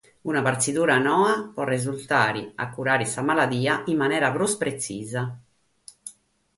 Una partzidura noa pro resurtare a curare sa maladia in manera prus pretzisa.